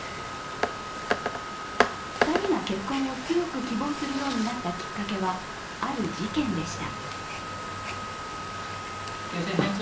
２人が結婚を強く希望するようになったきっかけはある事件でした。